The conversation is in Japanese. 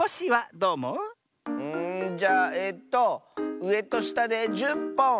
んじゃあえとうえとしたで１０ぽん！